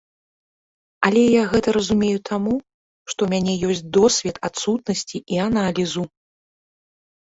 Але я гэта разумею таму, што ў мяне ёсць досвед адсутнасці і аналізу.